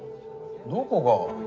どこが？